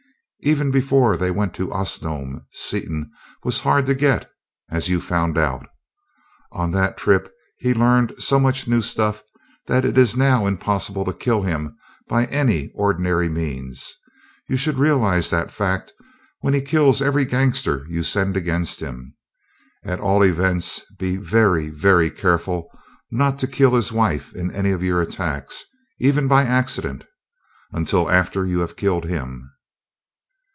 Even before they went to Osnome, Seaton was hard to get, as you found out. On that trip he learned so much new stuff that it is now impossible to kill him by any ordinary means. You should realize that fact when he kills every gangster you send against him. At all events be very, very careful not to kill his wife in any of your attacks, even by accident, until after you have killed him."